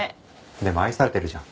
でも愛されてるじゃん。